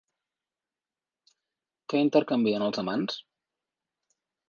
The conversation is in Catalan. Què intercanvien els amants?